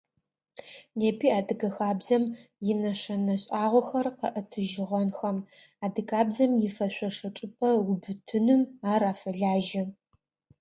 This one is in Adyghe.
Непи адыгэ хабзэм инэшэнэ шӏагъохэр къэӏэтыжьыгъэнхэм, адыгабзэм ифэшъошэ чӏыпӏэ ыубытыным ар афэлажьэ.